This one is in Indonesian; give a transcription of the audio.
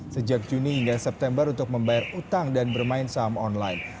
sejak juni hingga september untuk membayar utang dan bermain saham online